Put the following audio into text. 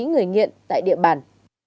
người nghiện tại địa bàn